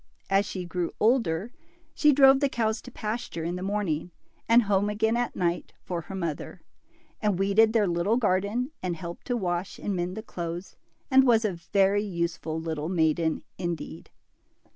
As she grew older she drove the cow' to pasture in the morning, and home again at night, for her mother ; and weeded their little garden, and helped to wash and mend the clothes, and was a very use ful little maiden, indeed.